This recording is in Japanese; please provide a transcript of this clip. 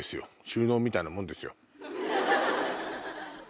収納みたいなもんですよ。